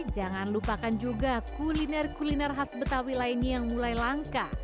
jangan lupakan juga kuliner kuliner khas betawi lainnya yang mulai langka